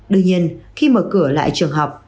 đương nhiên khi mở cửa lại trường học